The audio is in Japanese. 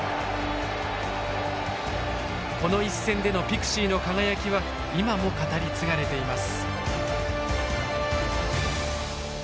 この一戦でのピクシーの輝きは今も語り継がれています。